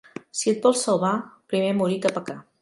Si et vols salvar, primer morir que pecar.